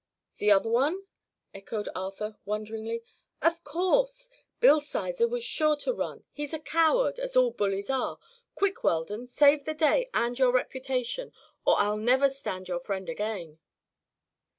"The other one!" echoed Arthur, wonderingly. "Of course. Bill Sizer was sure to run; he's a coward, as all bullies are. Quick, Weldon, save the day and your reputation or I'll never stand your friend again."